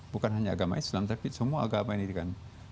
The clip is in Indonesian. bukan hanya agama islam tapi semua agama ini kan